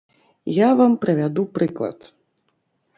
Я вам прывяду прыклад.